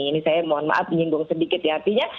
ini saya mohon maaf menyinggung sedikit ya artinya